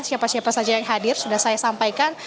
siapa siapa saja yang hadir sudah saya sampaikan